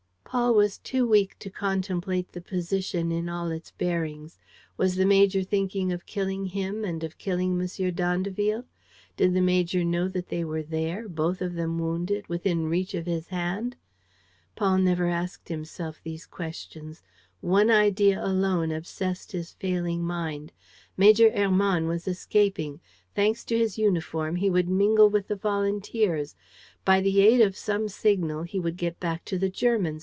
Paul was too weak to contemplate the position in all its bearings. Was the major thinking of killing him and of killing M. d'Andeville? Did the major know that they were there, both of them wounded, within reach of his hand? Paul never asked himself these questions. One idea alone obsessed his failing mind. Major Hermann was escaping. Thanks to his uniform, he would mingle with the volunteers! By the aid of some signal, he would get back to the Germans!